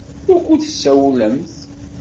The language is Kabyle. Wukud tessawalemt?